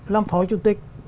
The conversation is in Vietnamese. làm phó chủ tịch